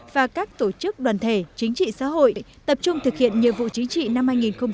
và các tổ chức đoàn thể chính trị xã hội tập trung thực hiện nhiệm vụ chính trị năm hai nghìn hai mươi